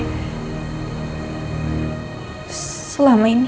tapi selama ini